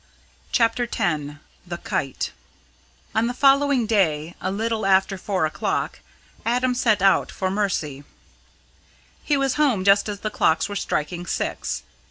CHAPTER X THE KITE On the following day, a little after four o'clock, Adam set out for Mercy. He was home just as the clocks were striking six.